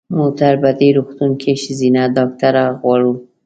مونږ په دې روغتون کې ښځېنه ډاکټره غواړو.